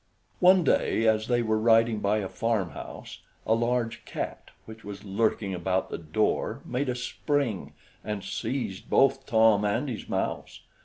One day, as they were riding by a farmhouse, a large cat, which was lurking about the door, made a spring, and seized both Tom and his mouse.